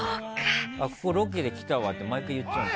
ここロケで来たわって毎回言っちゃって。